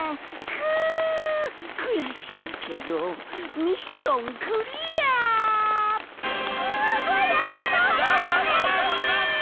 くやしいけどミッションクリア！わやった！